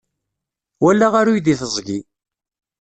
Walaɣ aruy di teẓgi.